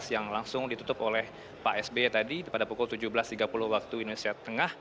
yang langsung ditutup oleh pak sby tadi pada pukul tujuh belas tiga puluh wib